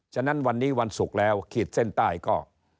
ฉะนั้นวันนี้วันศุกร์แล้วขีดเส้นใต้ก็